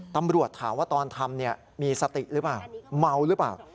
ตำรวจถามว่าตอนทำมีสติหรือเปล่าเมาหรือเปล่า